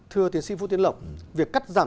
thưa tiến sĩ vũ tiến lộc việc cắt giảm